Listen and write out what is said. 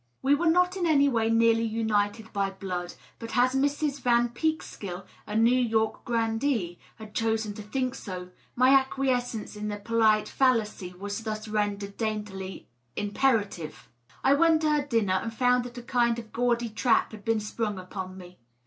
We were not in any way nearly united by blood, but as Mrs. Van Peekskill, a New York grandee, had chosen to think so, my acquiescence in the polite fallacy was thus rendered daintily impera tive. 1 went to her dinner, and found that a kind of gaudy trap had been sprung upon me.